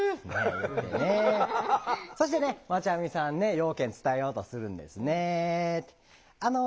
そしてねまちゃみさんね用件伝えようとするんですね。